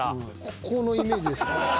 ここのイメージでした。